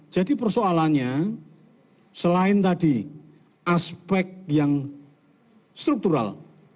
jadi persoalannya selain tadi aspek yang struktural